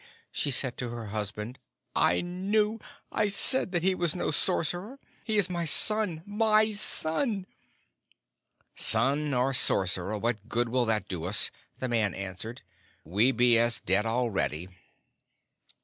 she said to her husband, "I knew I said that he was no sorcerer. He is my son my son!" "Son or sorcerer, what good will that do us?" the man answered. "We be as dead already."